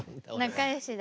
仲よしだ。